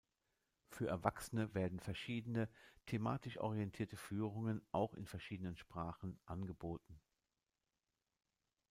Für Erwachsene werden verschiedene, thematisch orientierte Führungen, auch in verschiedenen Sprachen, angeboten.